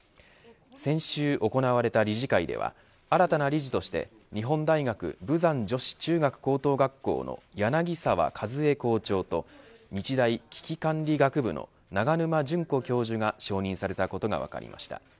先週行われた理事会では新たな理事として日本大学豊山女子中学高等学校の柳澤一恵校長と日大・危機管理学部の永沼淳子教授が承認されたことが分かりました。